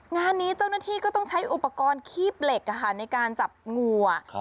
งานนี้เจ้าหน้าที่ก็ต้องใช้อุปกรณ์คีบเหล็กในการจับงูอ่ะ